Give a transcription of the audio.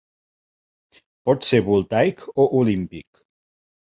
Pot ser voltaic o olímpic.